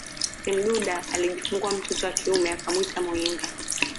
Semduda alijifungua mtoto wa kiume akamuita Muyinga